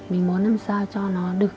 mình muốn làm sao cho nó được